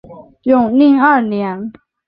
永历二年。